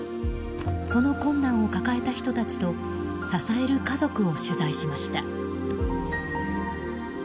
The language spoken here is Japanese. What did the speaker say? その困難を抱えた人たちと支える家族を取材しました。